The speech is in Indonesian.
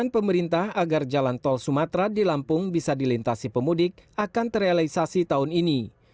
pemerintah agar jalan tol sumatera di lampung bisa dilintasi pemudik akan terrealisasi tahun ini